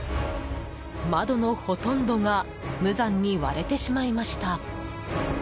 窓のほどんどが無残に割れてしまいました。